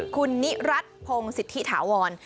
คุณนิรัติพงศิษฐิถาวร